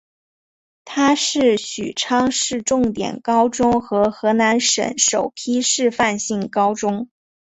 它是许昌市重点高中和河南省首批示范性高中。